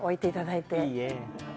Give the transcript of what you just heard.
いいえ。